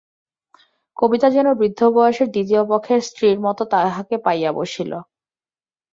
কবিতা যেন বৃদ্ধ বয়সের দ্বিতীয় পক্ষের স্ত্রীর মতো তাহাকে পাইয়া বসিল।